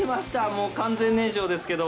もう完全燃焼ですけども。